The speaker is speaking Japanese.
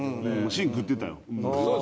芯食ってた。